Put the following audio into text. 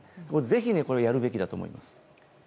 ぜひこれやるべきだと思います。